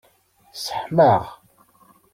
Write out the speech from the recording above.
Sseḥmaɣ.